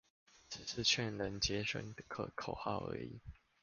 只是勸人節省的口號而已